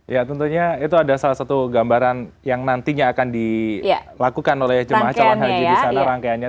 ya tentunya itu ada salah satu gambaran yang nantinya akan dilakukan oleh jemaah calon haji di sana rangkaiannya